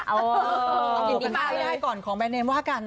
เอาอยู่กันได้ก่อนของแบนเนมว่ากัน